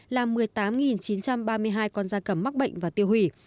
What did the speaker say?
làm một mươi tám chín trăm ba mươi hai con da cầm mắc bệnh và tiêu hủy